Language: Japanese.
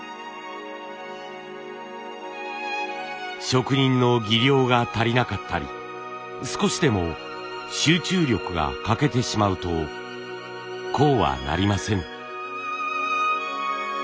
職人の技量が足りなかったり少しでも集中力が欠けてしまうとこうはなりません。